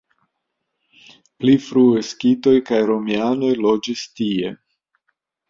Pli frue skitoj kaj romianoj loĝis tie.